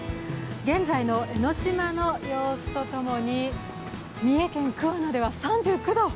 現在の江ノ島の様子と共に、三重県桑名では３９度！